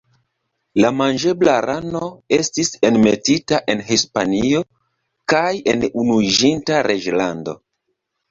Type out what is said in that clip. La manĝebla rano estis enmetita en Hispanio kaj en Unuiĝinta Reĝlando.